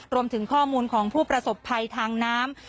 รวมถึงข้อมูลของผู้ประสบภัยทางน้ำ